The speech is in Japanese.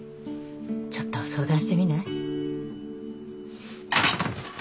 ちょっと相談してみない？